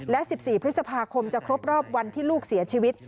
และ๑๔พฤษภาคมจะครบรอบวันที่ลูกเสียชีวิต